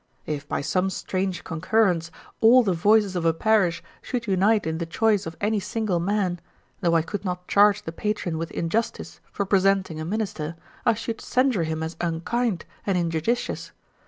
If by some strange concurrence all the voices of a parish should unite in the choice of any single man, though I could not charge the patron with injustice for presenting a minister, I should censure him as unkind and injudicious.